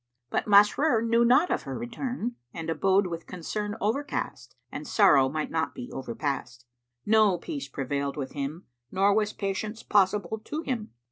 But Masrur knew naught of her return and abode with concern overcast and sorrow might not be overpast; no peace prevailed with him nor was patience possible to him.